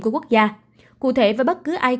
của quốc gia cụ thể với bất cứ ai